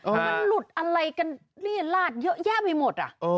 มันหลุดอะไรกันเรียดลาดเยอะแยะไปหมด